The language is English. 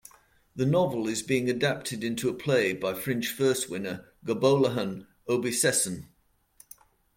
The novel is being adapted into a play by Fringe First winner Gbolahan Obisesan.